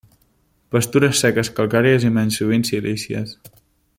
Pastures seques calcàries i menys sovint silícies.